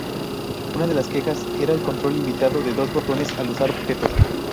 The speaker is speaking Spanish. Una de las quejas era el control limitado de dos botones al usar objetos.